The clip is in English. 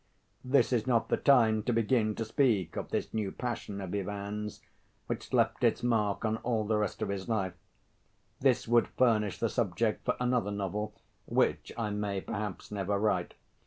This is not the time to begin to speak of this new passion of Ivan's, which left its mark on all the rest of his life: this would furnish the subject for another novel, which I may perhaps never write.